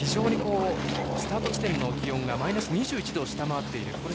スタート地点の気温がマイナス２１度を下回っている。